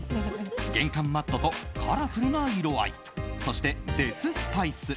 玄関マットと、カラフルな色合いそしてデススパイス。